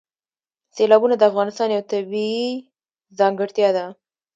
سیلابونه د افغانستان یوه طبیعي ځانګړتیا ده.